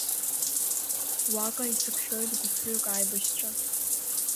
Уаҟа исықәшәоит гәыԥҩык аибашьцәа.